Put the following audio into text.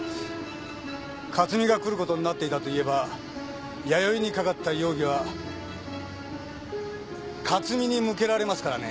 克巳が来ることになっていたと言えば弥生にかかった容疑は克巳に向けられますからね。